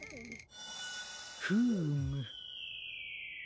フーム。